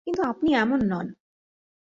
কিন্তু আপনি এমন নন।